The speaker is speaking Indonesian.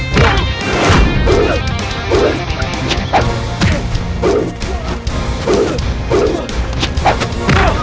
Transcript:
jangan sem cheese